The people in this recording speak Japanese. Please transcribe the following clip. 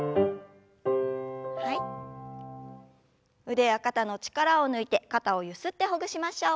腕や肩の力を抜いて肩をゆすってほぐしましょう。